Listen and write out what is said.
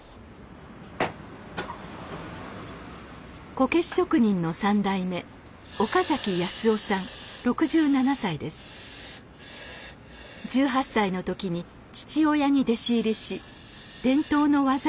こけし職人の３代目１８歳の時に父親に弟子入りし伝統の技を受け継ぎました。